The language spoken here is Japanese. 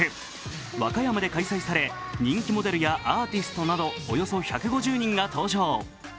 和歌山で開催され人気モデルやアーティストなどおよそ１５０人が登場。